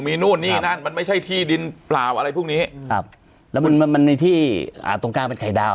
มีนู่นนี่นั่นมันไม่ใช่ที่ดินเปล่าอะไรพวกนี้ครับแล้วมันมันในที่อ่าตรงกลางเป็นไข่ดาว